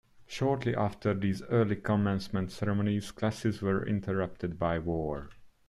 Shortly after these early commencement ceremonies, classes were interrupted by war.